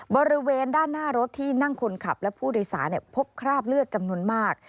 บริเวณด้านหน้ารถที่นั่งคนขับและผู้โดยสารพบคราบเลือดจำนวนมาก